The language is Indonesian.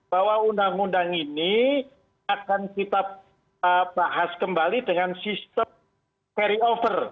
bahwa undang undang ini akan kita bahas kembali dengan sistem carry over